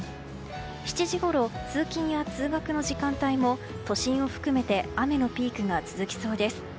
７時ごろ、通勤や通学の時間帯も都心を含めて雨のピークが続きそうです。